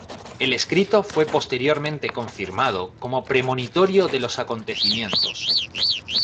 El escrito fue posteriormente confirmado como premonitorio de los acontecimientos.